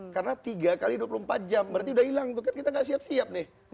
karena tiga x dua puluh empat jam berarti udah hilang tuh kan kita gak siap siap nih